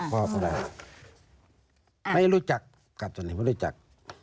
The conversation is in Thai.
พ่อตอนแรกไม่รู้จักกลับจากนี้ไม่รู้จัก